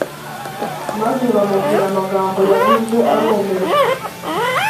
maze bamubwira amagambo yavuze arumirwa